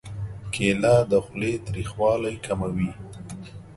کېله د خولې تریخوالی کموي.